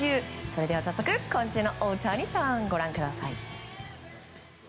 それでは早速、今週の大谷さんご覧ください。